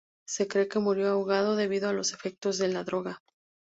Se cree que murió ahogado debido a los efectos de la droga.